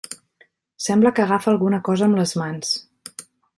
Sembla que agafa alguna cosa amb les mans.